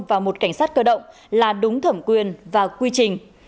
vào một cảnh sát cơ động là đúng thẩm quyền và quy trình